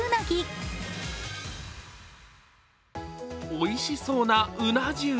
おいしそうな、うな重。